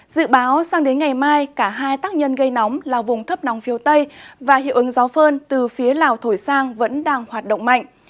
dự báo sang đến ngày mai cả hai tác nhân gây nóng là vùng thấp nóng phía tây và hiệu ứng gió phơn từ phía lào thổi sang vẫn đang hoạt động mạnh